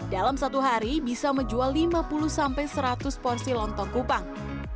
dalam satu hari bisa menjual lima puluh seratus porsi lontong kupang